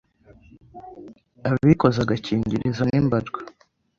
abikoza agakingirizo ni mbarwa